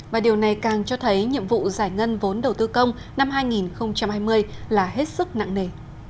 và điều này càng cho thấy nhiệm vụ giải ngân vốn đầu tư công năm hai nghìn hai mươi là hết sức nặng nề